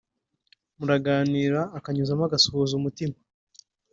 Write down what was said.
muraganira akanyuzamo agasuhuza umutima